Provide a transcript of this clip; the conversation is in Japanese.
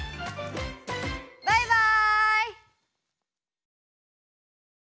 バイバイ！